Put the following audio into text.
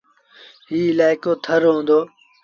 ايٚ الآئيڪو ٿر رو هُݩدو۔